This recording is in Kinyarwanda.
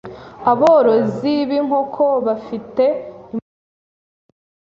aborozi b’inkoko bafite imbogamizi